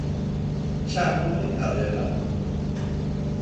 "Chámome Adela".